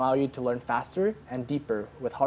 dan membuat anda belajar lebih cepat dan lebih dalam